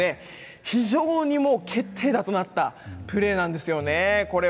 非常に決定打となったプレーなんですね。